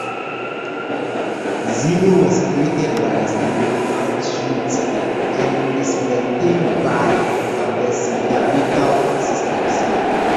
Zeno was created by Stephen R. Schmitt and is maintained by Abecedarical Systems.